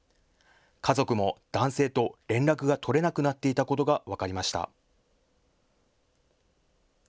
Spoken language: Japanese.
家族も男性と連絡が取れなくなっていたことが分かりました。